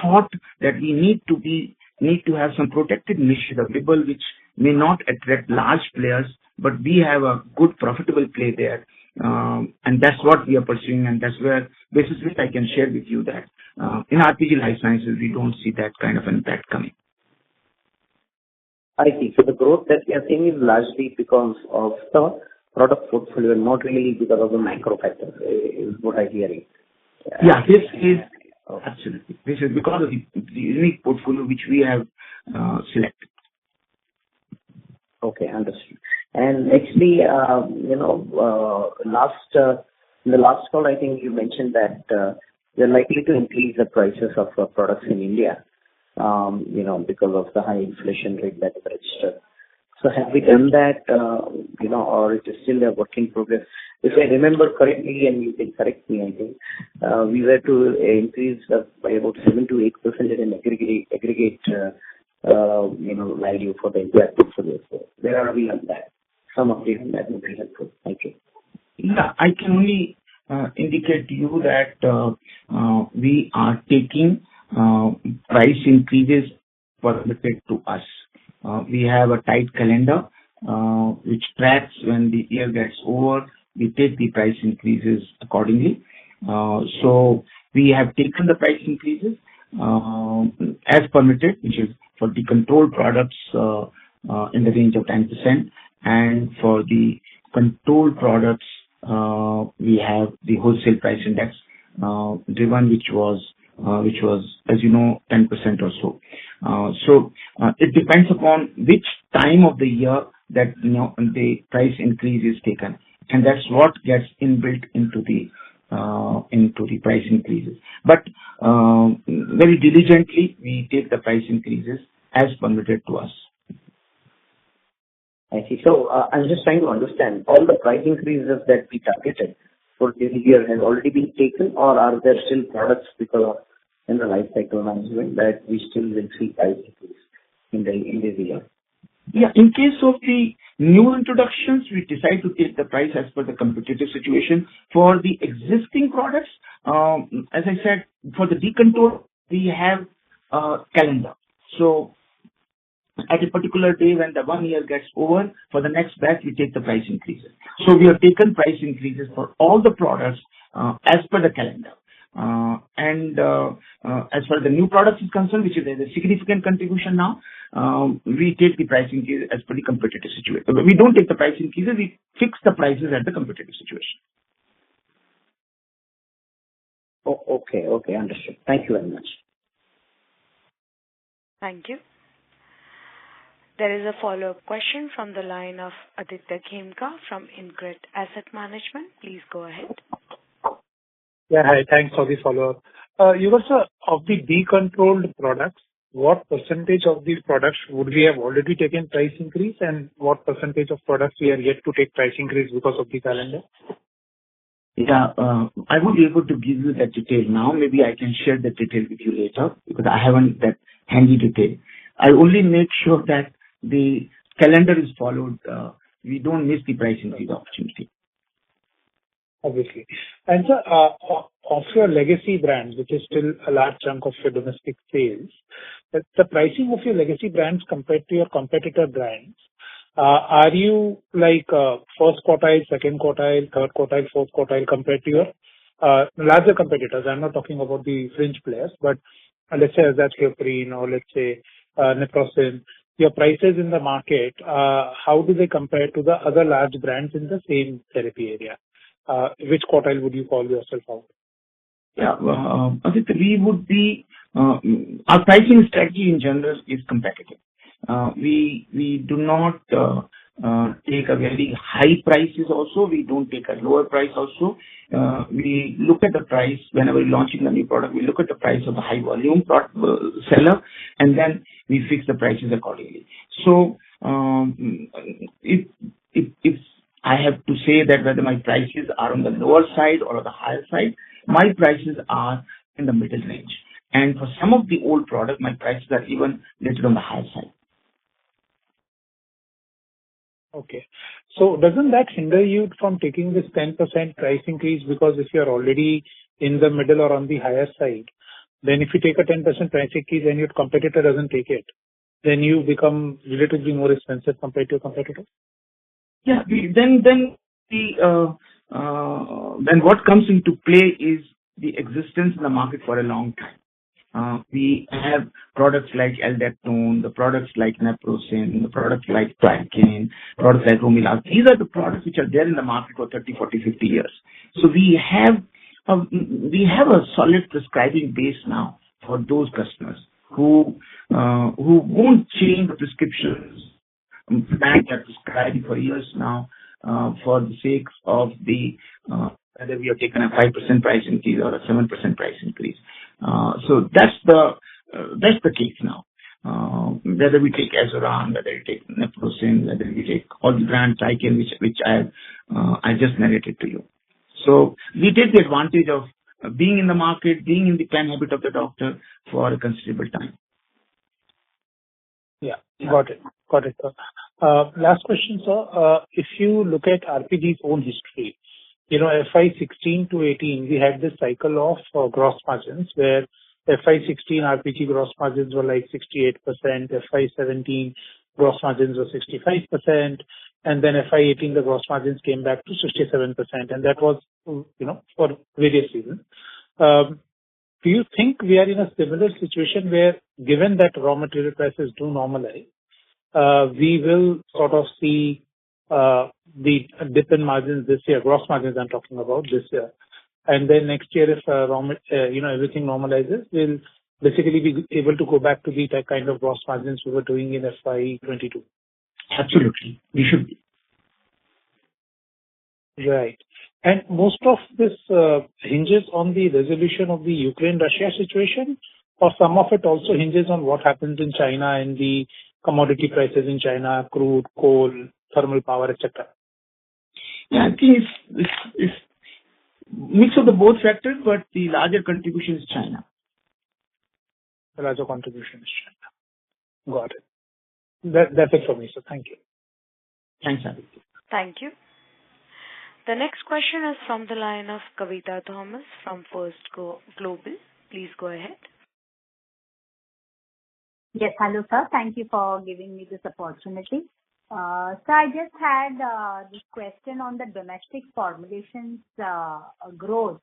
thought that we need to have some protected niche available which may not attract large players, but we have a good profitable play there. That's what we are pursuing. That's the basis which I can share with you, that in RPG Life Sciences, we don't see that kind of impact coming. I see. The growth that we are seeing is largely because of the product portfolio, not really because of the macro factors, is what I'm hearing. Absolutely. This is because of the unique portfolio which we have selected. Okay, understood. Actually, you know, last in the last call, I think you mentioned that, you're likely to increase the prices of products in India, you know, because of the high inflation rate that registered. Have we done that, you know, or it is still a work in progress? If I remember correctly, and you can correct me, I think, we were to increase by about 7%-8% in aggregate, you know, value for the India portfolio. Where are we on that? Some update on that would be helpful. Thank you. Yeah, I can only indicate to you that we are taking price increases permitted to us. We have a tight calendar which tracks when the year gets over. We take the price increases accordingly. We have taken the price increases as permitted, which is for the controlled products in the range of 10%. For the controlled products we have the Wholesale Price Index driven, which was, as you know, 10% or so. It depends upon which time of the year that, you know, the price increase is taken, and that's what gets inbuilt into the price increases. Very diligently we take the price increases as permitted to us. I see. I'm just trying to understand. All the price increases that we targeted for this year has already been taken or are there still products which are in the life cycle management that we still will see price increase in this year? Yeah. In case of the new introductions, we decide to take the price as per the competitive situation. For the existing products, as I said, for the decontrolled we have a calendar. At a particular day when the one year gets over, for the next batch we take the price increases. We have taken price increases for all the products, as per the calendar. As far as the new products is concerned, which is a significant contribution now, we take the price increase as per the competitive situation. We don't take the price increases, we fix the prices at the competitive situation. Okay. Understood. Thank you very much. Thank you. There is a follow-up question from the line of Aditya Khemka from InCred Asset Management. Please go ahead. Yeah. Hi, thanks for the follow-up. You were, sir, of the decontrolled products, what percentage of these products would we have already taken price increase, and what percentage of products we are yet to take price increase because of the calendar? Yeah. I won't be able to give you that detail now. Maybe I can share the detail with you later because I haven't that handy detail. I only make sure that the calendar is followed, we don't miss the price increase opportunity. Obviously. Sir, of your legacy brands, which is still a large chunk of your domestic sales, the pricing of your legacy brands compared to your competitor brands, are you like first quartile, second quartile, third quartile, fourth quartile compared to your larger competitors? I'm not talking about the fringe players, but let's say Azathioprine or let's say Naprosyn. Your prices in the market, how do they compare to the other large brands in the same therapy area? Which quartile would you call yourself of? Well, Aditya, our pricing strategy in general is competitive. We do not take a very high prices also, we don't take a lower price also. We look at the price whenever we're launching a new product. We look at the price of the high volume seller, and then we fix the prices accordingly. If I have to say that whether my prices are on the lower side or on the higher side, my prices are in the middle range. For some of the old product, my prices are even little on the higher side. Okay. Doesn't that hinder you from taking this 10% price increase? Because if you're already in the middle or on the higher side, then if you take a 10% price increase and your competitor doesn't take it, then you become relatively more expensive compared to your competitors. What comes into play is the existence in the market for a long time. We have products like Aldactone, products like Naprosyn, products like Tykerb, products like Romilast. These are the products which are there in the market for 30, 40, 50 years. We have a solid prescribing base now for those customers who won't change the prescriptions and brands they're prescribing for years now, for the sake of whether we have taken a 5% price increase or a 7% price increase. That's the case now. Whether we take Azoran, whether we take Naprosyn, whether we take all the brands, Tykerb, which I just narrated to you. We take the advantage of being in the market, being in the buying habit of the doctor for a considerable time. Yeah. Got it, sir. Last question, sir. If you look at RPG's own history, you know, FY 2016 to 2018 we had this cycle of gross margins where FY 2016 RPG gross margins were like 68%, FY 2017 gross margins were 65%, and then FY 2018 the gross margins came back to 67%, and that was, you know, for various reasons. Do you think we are in a similar situation where given that raw material prices do normalize, we will sort of see the dip in margins this year, gross margins I'm talking about this year. Then next year if, you know, everything normalizes, we'll basically be able to go back to the kind of gross margins we were doing in FY 2022. Absolutely. We should be. Right. Most of this hinges on the resolution of the Ukraine-Russia situation or some of it also hinges on what happens in China and the commodity prices in China, crude, coal, thermal power, et cetera? Yeah. I think it's a mix of both factors, but the larger contribution is China. Well, as a contribution. Got it. That, that's it for me, sir. Thank you. Thanks, Ankit. Thank you. The next question is from the line of Kavita Thomas from First Global. Please go ahead. Yes. Hello, sir. Thank you for giving me this opportunity. I just had this question on the domestic formulations growth,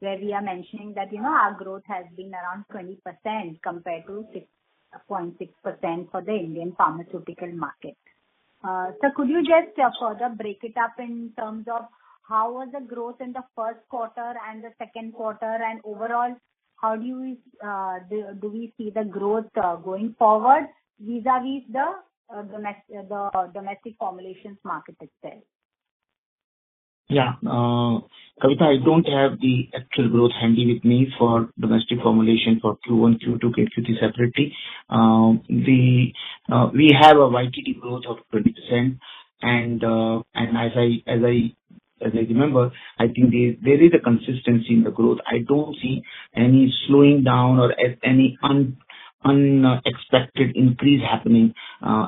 where we are mentioning that, you know, our growth has been around 20% compared to 6.6% for the Indian pharmaceutical market. Could you just further break it up in terms of how was the growth in the first quarter and the second quarter and overall, how do we see the growth going forward vis-à-vis the domestic formulations market itself? Yeah. Kavita, I don't have the actual growth handy with me for domestic formulation for Q1, Q2, Q3 separately. We have a YTD growth of 20% and as I remember, I think there is a consistency in the growth. I don't see any slowing down or any unexpected increase happening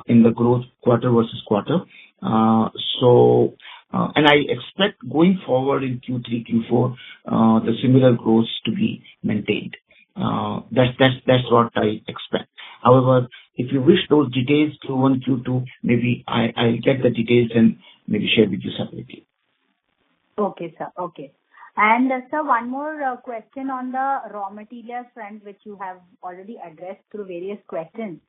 in the growth quarter versus quarter. I expect going forward in Q3, Q4, the similar growth to be maintained. That's what I expect. However, if you wish those details, Q1, Q2, maybe I'll get the details and maybe share with you separately. Okay, sir. Okay. Sir, one more question on the raw material front, which you have already addressed through various questions.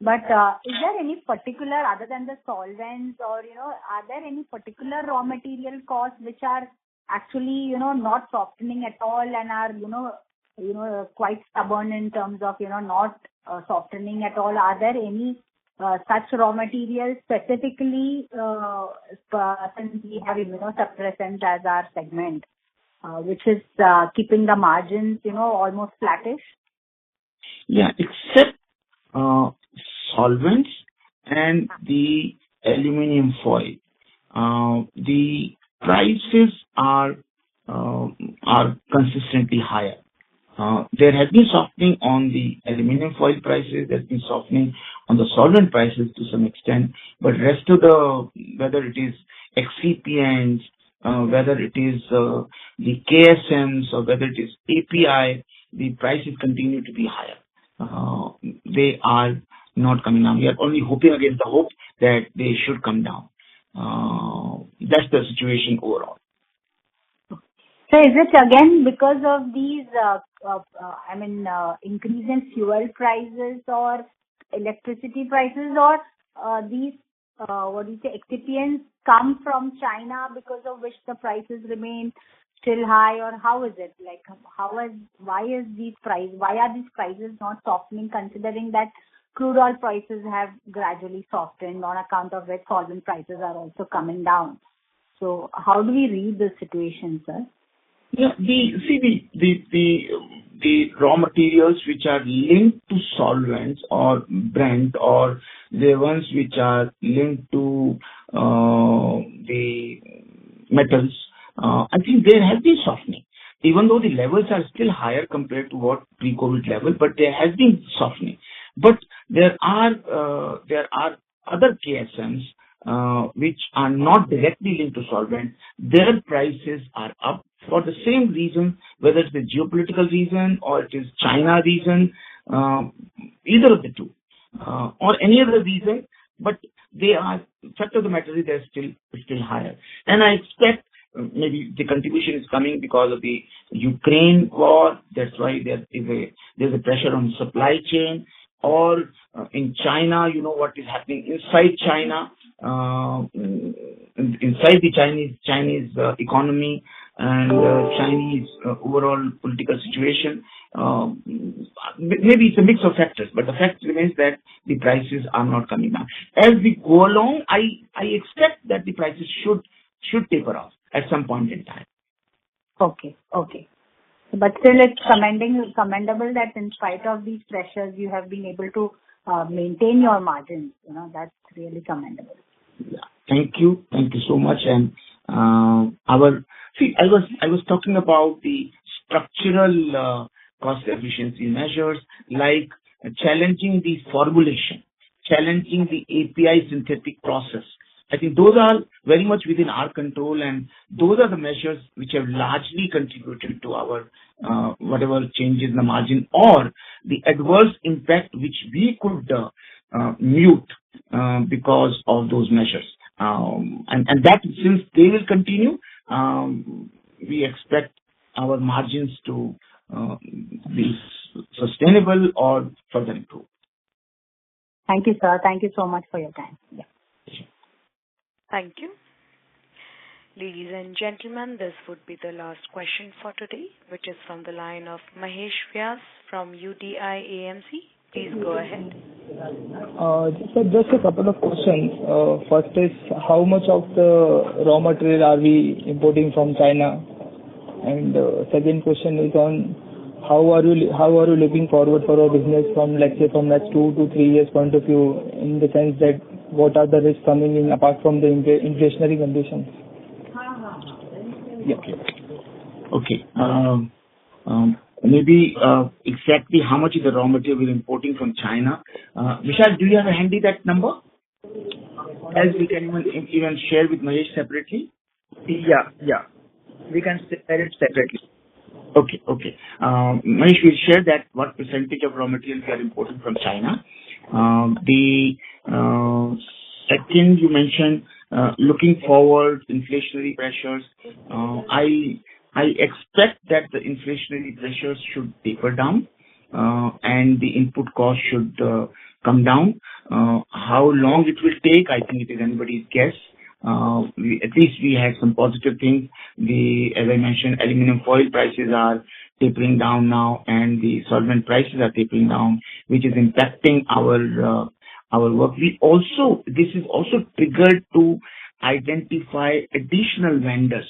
Is there any particular other than the solvents or, you know, are there any particular raw material costs which are actually, you know, not softening at all and are, you know, quite stubborn in terms of, you know, not softening at all? Are there any such raw materials specifically, since we have immunosuppressant as our segment, which is keeping the margins, you know, almost flattish? Yeah. Except solvents and the aluminum foil. The prices are consistently higher. There has been softening on the aluminum foil prices. There's been softening on the solvent prices to some extent. Rest of the, whether it is excipients, whether it is the KSMs or whether it is API, the prices continue to be higher. They are not coming down. We are only hoping against the hope that they should come down. That's the situation overall. Is it again because of these, I mean, increase in fuel prices or electricity prices or, these, what do you say, excipient come from China because of which the prices remain still high or how is it? Like, why are these prices not softening considering that crude oil prices have gradually softened on account of which solvent prices are also coming down. How do we read the situation, sir? Yeah. See the raw materials which are linked to solvents or Brent or the ones which are linked to the metals. I think there has been softening. Even though the levels are still higher compared to what pre-COVID level, but there has been softening. But there are other KSMs which are not directly linked to solvent. Their prices are up for the same reason, whether it's the geopolitical reason or it is China reason, either of the two, or any other reason, but fact of the matter is they're still higher. I expect maybe the contribution is coming because of the Ukraine war. That's why there's a pressure on supply chain or in China, you know what is happening inside China, inside the Chinese economy and Chinese overall political situation. Maybe it's a mix of factors, but the fact remains that the prices are not coming down. As we go along, I expect that the prices should taper off at some point in time. Okay. Still it's commendable that in spite of these pressures you have been able to maintain your margins. You know, that's really commendable. Yeah. Thank you. Thank you so much. See, I was talking about the structural cost efficiency measures like challenging the formulation, challenging the API synthetic process. I think those are very much within our control, and those are the measures which have largely contributed to our whatever change in the margin or the adverse impact which we could mitigate because of those measures. Since they will continue, we expect our margins to be sustainable or further improve. Thank you, sir. Thank you so much for your time. Yeah. Sure. Thank you. Ladies and gentlemen, this would be the last question for today, which is from the line of Mahesh Vyas from UTI AMC. Please go ahead. Sir, just a couple of questions. First is how much of the raw material are we importing from China? Second question is on how are you looking forward for our business from, let's say, from a two to three years point of view, in the sense that what are the risks coming in apart from the inflationary conditions? Yeah. Okay. Maybe exactly how much is the raw material we're importing from China? Vishal, do you have handy that number? Or else we can even if you can share with Mahesh separately. Yeah. We can share it separately. Mahesh will share what percentage of raw materials are imported from China. The second you mentioned, looking forward, inflationary pressures. I expect that the inflationary pressures should taper down, and the input cost should come down. How long it will take, I think it is anybody's guess. At least we have some positive things. As I mentioned, aluminum foil prices are tapering down now and the solvent prices are tapering down, which is impacting our work. We also. This has also triggered to identify additional vendors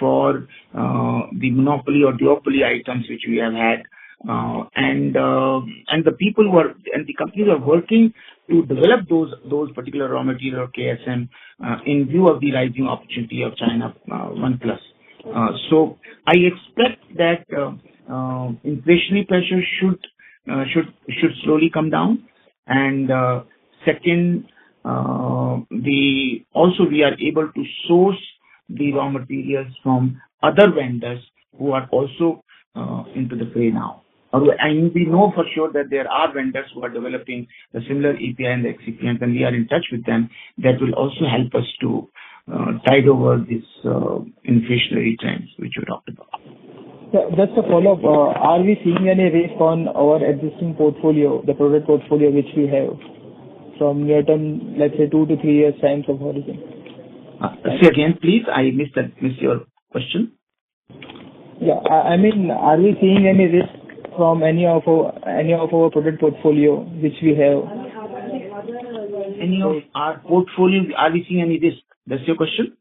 for the monopoly or duopoly items which we have had. And the companies who are working to develop those particular raw material KSM, in view of the rising opportunity of China plus one. I expect that inflationary pressure should slowly come down. Also we are able to source the raw materials from other vendors who are also into the fray now. We know for sure that there are vendors who are developing a similar API and the excipient, and we are in touch with them. That will also help us to tide over this inflationary times which we talked about. Yeah. Just a follow-up. Are we seeing any risk on our existing portfolio, the product portfolio which we have from near-term, let's say 2-3 years time from origin? Say again, please. I missed that, your question. I mean, are we seeing any risk from any of our product portfolio which we have? Any of our portfolio, are we seeing any risk? That's your question?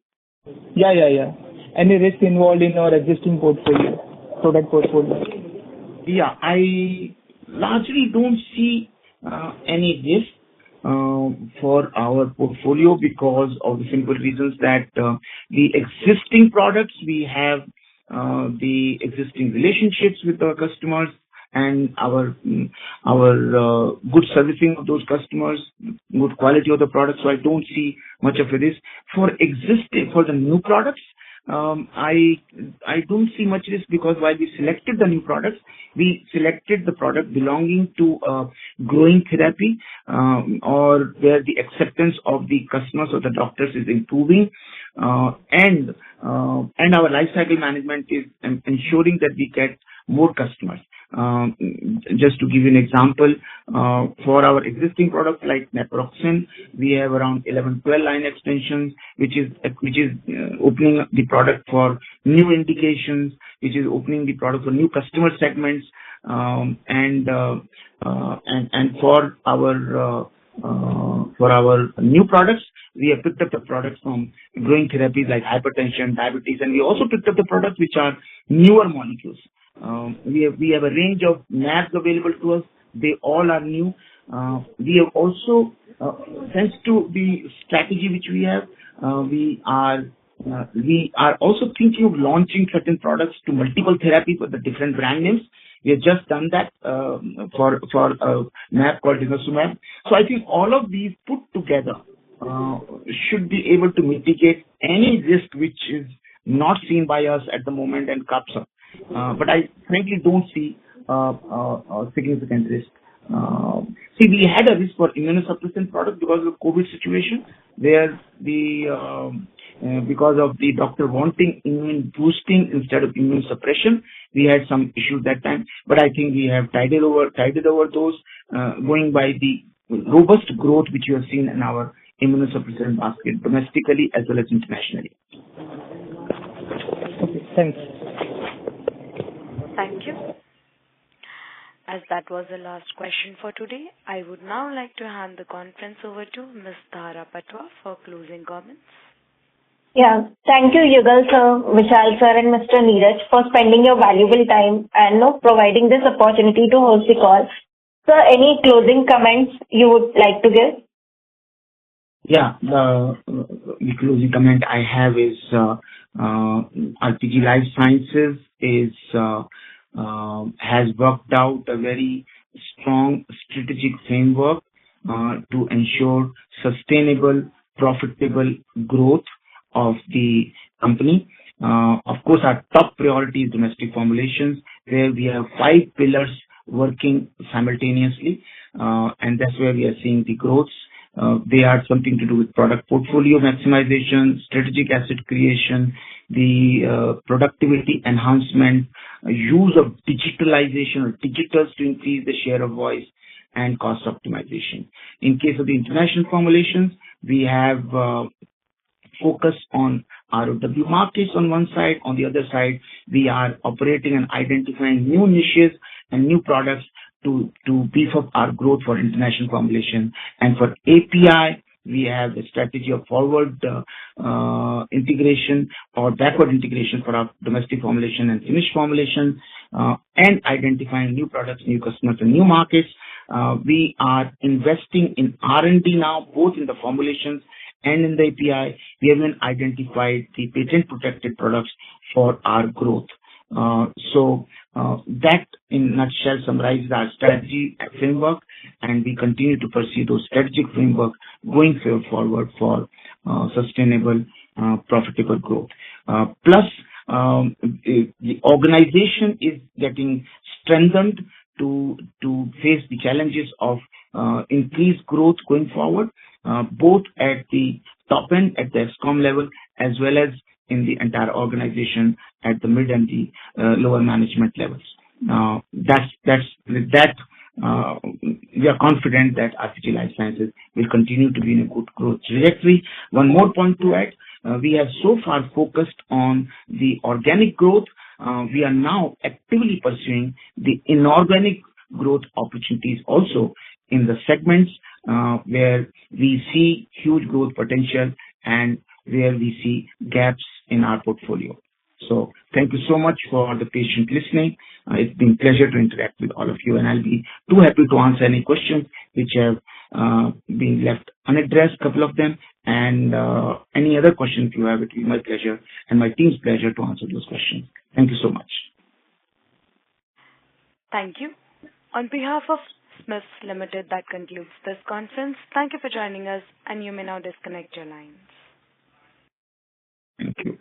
Yeah, yeah. Any risk involved in our existing portfolio, product portfolio? Yeah. I largely don't see any risk for our portfolio because of the simple reasons that the existing products we have, the existing relationships with our customers and our good servicing of those customers, good quality of the products. I don't see much of a risk. For the new products, I don't see much risk because why we selected the new products, we selected the product belonging to a growing therapy or where the acceptance of the customers or the doctors is improving. And our lifecycle management is ensuring that we get more customers. Just to give you an example, for our existing product like naproxen, we have around 11, 12 line extensions, which is opening up the product for new indications, which is opening the product for new customer segments. For our new products, we have picked up the products from growing therapies like hypertension, diabetes, and we also picked up the products which are newer molecules. We have a range of NAS available to us. They all are new. We have also, thanks to the strategy which we have, we are also thinking of launching certain products to multiple therapy for the different brand names. We have just done that for a NAS called denosumab. I think all of these put together should be able to mitigate any risk which is not seen by us at the moment and capture. I frankly don't see a significant risk. See, we had a risk for immunosuppressant product because of COVID situation because of the doctor wanting immune boosting instead of immune suppression. We had some issues that time. I think we have tided over those going by the robust growth which you have seen in our immunosuppressant basket domestically as well as internationally. Okay, thanks. Thank you. As that was the last question for today, I would now like to hand the conference over to Ms. Tara Patwa for closing comments. Yeah. Thank you, Yugal, sir, Vishal, sir, and Mr. Neeraj for spending your valuable time and now providing this opportunity to host the call. Sir, any closing comments you would like to give? The closing comment I have is, RPG Life Sciences has worked out a very strong strategic framework to ensure sustainable, profitable growth of the company. Of course, our top priority is domestic formulations, where we have five pillars working simultaneously, and that's where we are seeing the growth. They are something to do with product portfolio maximization, strategic asset creation, productivity enhancement, use of digitalization or digitals to increase the share of voice and cost optimization. In case of the international formulations, we have focused on ROW markets on one side. On the other side, we are operating and identifying new niches and new products to beef up our growth for international formulation. For API, we have a strategy of forward integration or backward integration for our domestic formulation and international formulation, and identifying new products, new customers and new markets. We are investing in R&D now, both in the formulations and in the API. We have even identified the patent protected products for our growth. That in a nutshell summarizes our strategy framework, and we continue to pursue those strategic framework going forward for sustainable profitable growth. The organization is getting strengthened to face the challenges of increased growth going forward, both at the top end, at the SCOM level, as well as in the entire organization at the mid and the lower management levels. With that, we are confident that RPG Life Sciences will continue to be in a good growth trajectory. One more point to add. We have so far focused on the organic growth. We are now actively pursuing the inorganic growth opportunities also in the segments where we see huge growth potential and where we see gaps in our portfolio. Thank you so much for the patient listening. It's been pleasure to interact with all of you, and I'll be too happy to answer any questions which have been left unaddressed, couple of them. Any other questions you have, it'll be my pleasure and my team's pleasure to answer those questions. Thank you so much. Thank you. On behalf of Spark Limited, that concludes this conference. Thank you for joining us, and you may now disconnect your lines. Thank you.